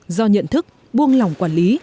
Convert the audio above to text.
do nhận thức buông lòng quản lý